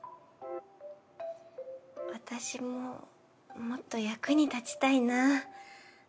私ももっと役に立ちたいな。